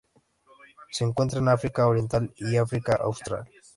Se encuentra en África Oriental y África austral.